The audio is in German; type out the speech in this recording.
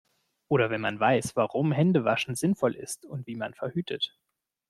Oder wenn man weiß, warum Hände waschen sinnvoll ist und wie man verhütet.